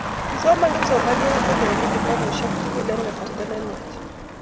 Kisoman kipsomaniat akenge kitapusyek tukul eng' kasarta ne nwach.